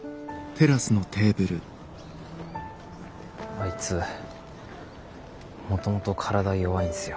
あいつもともと体弱いんすよ。